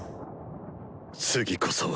次こそは。